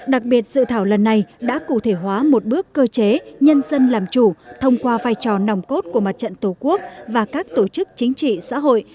đặc biệt dự thảo lần này đã cụ thể hóa một bước cơ chế nhân dân làm chủ thông qua vai trò nòng cốt của mặt trận tổ quốc và các tổ chức chính trị xã hội